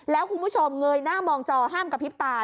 แล้วคุณผู้ชมเงยหน้ามองจอห้ามกระพริบตา